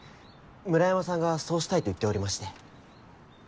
村山さんがそうしたいと言っておりまして。